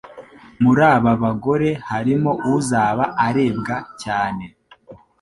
Muri aba bagore harimo uzaba arebwa cyane